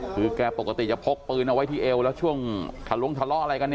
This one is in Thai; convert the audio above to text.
คือแกปกติจะพกปืนเอาไว้ที่เอวแล้วช่วงทะลงทะเลาะอะไรกันเนี่ย